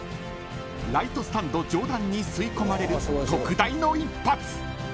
［ライトスタンド上段に吸い込まれる特大の一発］